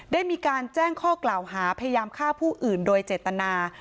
ได้มีการแจ้งข้อกล่าวหาพยายามฆ่าผู้อื่นโดยเจตนา